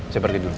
saya pergi dulu